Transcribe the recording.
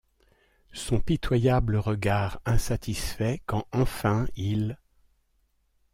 Son pitoyable regard insatisfait quand enfin il.